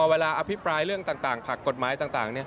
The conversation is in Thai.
อภิปรายเรื่องต่างผักกฎหมายต่าง